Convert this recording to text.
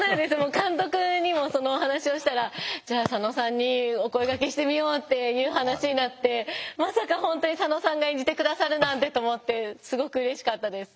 監督にもそのお話をしたらじゃあ佐野さんにお声がけしてみようっていう話になってまさか本当に佐野さんが演じて下さるなんてと思ってすごくうれしかったです。